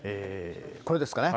これですかね。